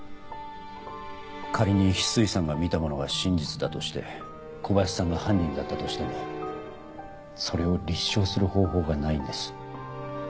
仮に翡翠さんが見たものが真実だとして小林さんが犯人だったとしてもそれを立証する方法がないんです。